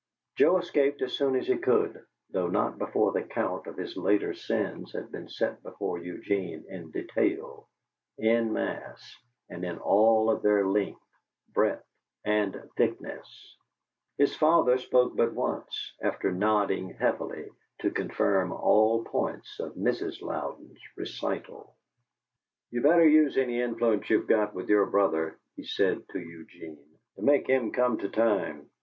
Joe escaped as soon as he could, though not before the count of his later sins had been set before Eugene in detail, in mass, and in all of their depth, breadth, and thickness. His father spoke but once, after nodding heavily to confirm all points of Mrs. Louden's recital. "You better use any influence you've got with your brother," he said to Eugene, "to make him come to time.